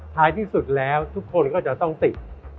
ท้ายที่สุดแล้วทุกคนก็จะต้องติด